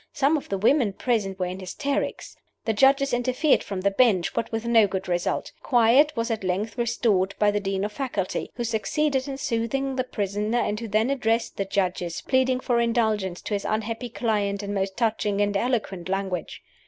Some of the women present were in hysterics. The Judges interfered from the Bench, but with no good result. Quiet was at length restored by the Dean of Faculty, who succeeded in soothing the prisoner, and who then addressed the Judges, pleading for indulgence to his unhappy client in most touching and eloquent language.